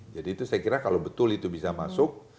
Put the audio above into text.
itu saya kira kalau betul itu bisa masuk